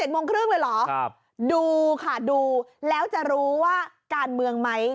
โมงครึ่งเลยเหรอดูค่ะดูแล้วจะรู้ว่าการเมืองไหม